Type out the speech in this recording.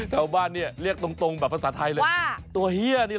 ตาแบบุกเองเรียกตรงแบบภาษาไทยเลย